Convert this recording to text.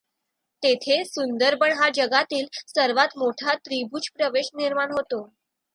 तेथे सुंदरबन हा जगातील सर्वात मोठा त्रिभुज प्रदेश निर्माण होतो.